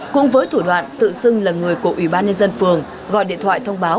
cũng với thủ đoạn tự xưng là người của ủy ban nhân dân phường gọi điện thoại thông báo